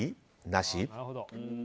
なし？